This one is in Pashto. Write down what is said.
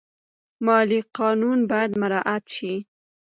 مالي قانون باید مراعات شي.